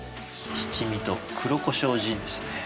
七味と黒こしょうジンですね。